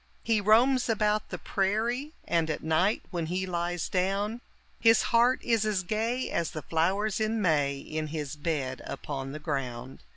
He roams about the prairie, and, at night when he lies down, His heart is as gay as the flowers in May in his bed upon the ground.